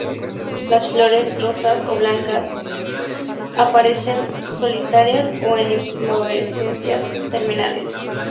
Las flores, rosas o blancas, aparecen solitarias o en inflorescencias terminales.